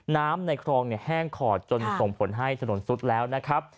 ในคลองแห้งขอดจนส่งผลให้ถนนซุดแล้วนะครับ